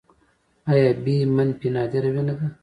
اې بي منفي نادره وینه ده